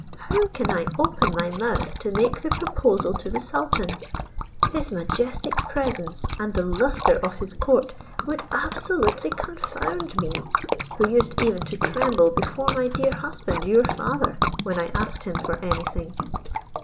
How can I open my mouth to make the proposal to the sultan? His majestic presence and the lustre of his court would absolutely confound me, who used even to tremble before my dear husband your father, when I asked him for any thing.